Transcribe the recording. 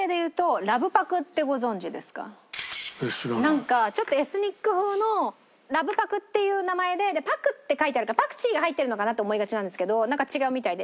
なんかちょっとエスニック風のラブパクっていう名前で「パク」って書いてあるからパクチーが入ってるのかな？って思いがちなんですけどなんか違うみたいで。